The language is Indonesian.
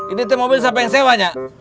ini tim mobil siapa yang sewanya